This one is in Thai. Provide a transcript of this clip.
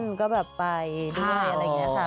ฉันก็ไปดูผลันอะไรแบบนี้๓